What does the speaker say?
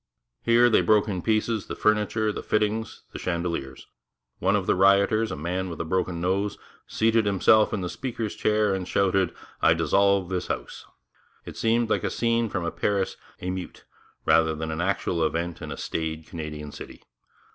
Here they broke in pieces the furniture, the fittings, the chandeliers. One of the rioters, a man with a broken nose, seated himself in the Speaker's chair and shouted, 'I dissolve this House.' It seems like a scene from a Paris émeute rather than an actual event in a staid Canadian city.